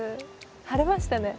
晴れましたね。